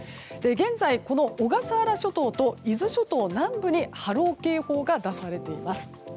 現在、小笠原諸島と伊豆諸島南部に波浪警報が出されています。